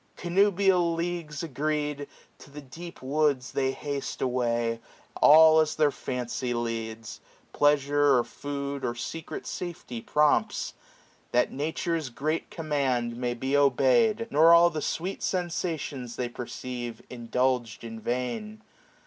Connubial leagues agreed, to the deep woods They haste away, all as their fancy leads. Pleasure, or food, or secret safety prompts ; 630 That Nature's great command may be obeyed. Nor all the sweet sensations they perceive Indulged in vain.